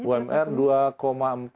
umr nya sekarang berapa